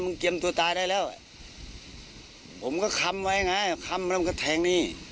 เตรียมตัวตายได้แล้วผมก็ค้ำไว้ไงค้ำแล้วมันก็แทงนี่